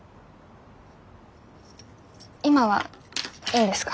今はいいんですか？